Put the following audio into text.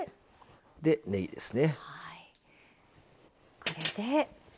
で、ねぎですね。